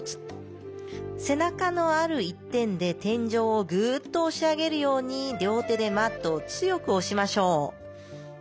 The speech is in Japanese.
背中のある一点で天井をグッと押し上げるように両手でマットを強く押しましょう。